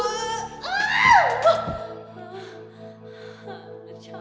aduh duduk dulu